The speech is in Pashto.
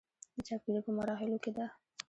د چاپ کيدو پۀ مراحلو کښې ده